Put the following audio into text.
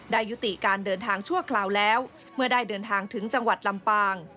ยุติการเดินทางชั่วคราวแล้วเมื่อได้เดินทางถึงจังหวัดลำปาง